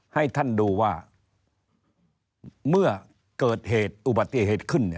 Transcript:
ให้ท่านดูว่าเมื่อเกิดเหตุอุบัติเหตุขึ้น